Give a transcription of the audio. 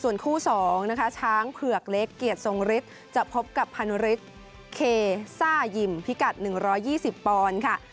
ส่วนคู่๒นะคะช้างเผือกเล็กเกียรติทรงฤทธิ์จะพบกับพานุฤทธิ์เคซ่ายิมพิกัด๑๒๐ปอนด์ค่ะ